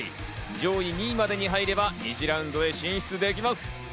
上位２位までに入れば２次ラウンドへ進出できます。